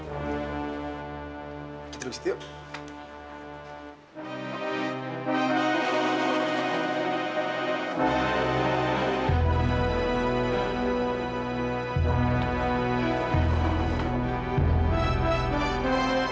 kita duduk disitu yuk